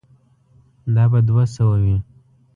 دا به دوه سوه وي.